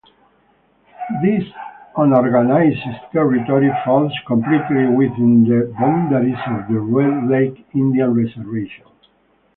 This unorganized territory falls completely within the boundaries of the Red Lake Indian Reservation.